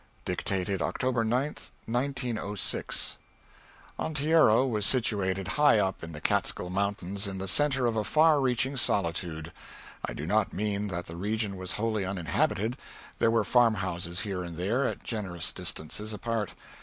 [Dictated October 9, 1906.] Onteora was situated high up in the Catskill Mountains, in the centre of a far reaching solitude. I do not mean that the region was wholly uninhabited; there were farmhouses here and there, at generous distances apart.